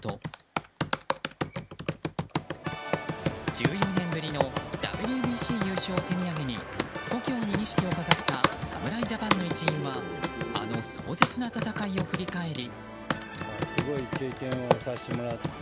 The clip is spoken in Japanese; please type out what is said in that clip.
１４年ぶりのＷＢＣ優勝を手土産に故郷に錦を飾った侍ジャパンの一員はあの壮絶な戦いを振り返り。